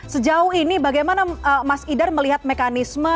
sejauh ini bagaimana mas idar melihat mekanisme